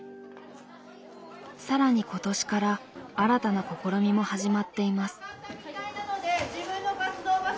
更に今年から新たな試みも始まっています。